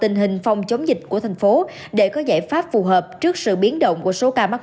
tình hình phòng chống dịch của thành phố để có giải pháp phù hợp trước sự biến động của số ca mắc